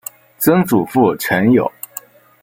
曾祖父陈友。